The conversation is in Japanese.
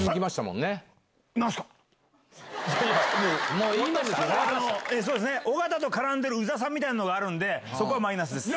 そうですね、尾形と絡んでるうざさみたいなのがあるんで、そこはマイナスです。